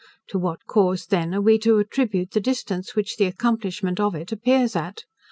To what cause then are we to attribute the distance which the accomplishment of it appears at?